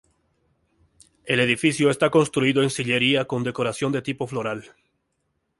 El edificio está construido en sillería con decoración de tipo floral.